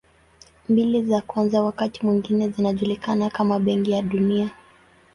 Mbili za kwanza wakati mwingine zinajulikana kama Benki ya Dunia.